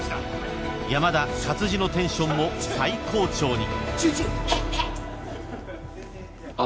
［山田勝地のテンションも最高潮に］